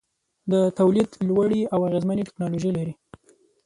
د تولید لوړې او اغیزمنې ټیکنالوجۍ لري.